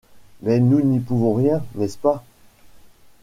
Mais nous n’y pouvons rien, n’est-ce pas ?